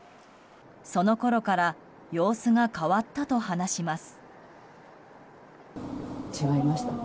そのころから様子が変わったと話します。